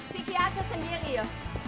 pikir aja sendiri ya